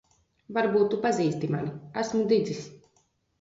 Varbūt tu pazīsti mani. Esmu Didzis.